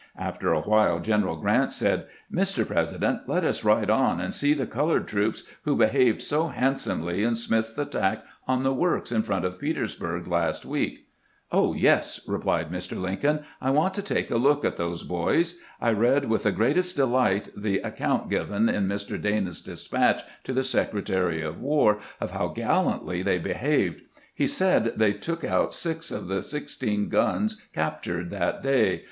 After a while General Grant said :" Mr. President, let us ride on and see the colored troops, who behaved so handsomely in Smith's attack on the works in front of Petersburg last week." " Oh, yes," replied Mr. Lincoln ;" I want to take a look at LINCOLN AT THE FRONT 219 those boys. I read with the greatest delight the ac count given in Mr. Dana's despatch to the Secretary of War of how gallantly they behaved. He said they took six out of the sixteen guns captured that day.